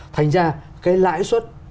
thành ra cái lãi suất